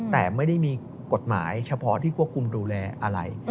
แต่ไม่ได้มีกฎหมายเฉพาะที่ควบคุมดูแลอะไร